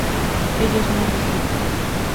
Ellos no visitan